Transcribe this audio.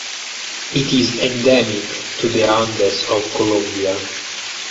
It is endemic to the Andes of Colombia.